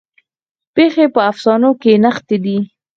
پیښې په افسانو کې نغښتې دي.